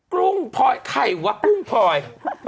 กุ้งพลอยไข่วะกุ้งพลอย